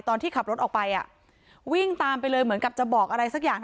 ตอนที่ขับรถออกไปวิ่งตามไปเลยเหมือนกับจะบอกอะไรสักอย่าง